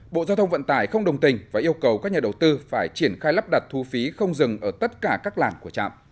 bộ giao thông vận tải không đồng tình và yêu cầu các nhà đầu tư phải triển khai lắp đặt thu phí không dừng ở tất cả các làng của trạm